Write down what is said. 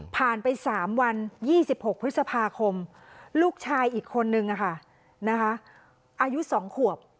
ไป๓วัน๒๖พฤษภาคมลูกชายอีกคนนึงอายุ๒ขวบ